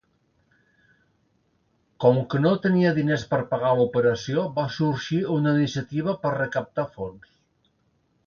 Com que no tenia diners per pagar l'operació va sorgir una iniciativa per recaptar fons.